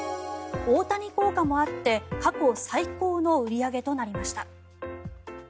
大谷効果もあって過去最高の売り上げとなりました。